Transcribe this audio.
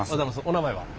お名前は？